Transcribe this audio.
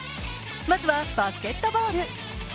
まずはバスケットボール。